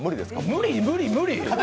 無理、無理、無理。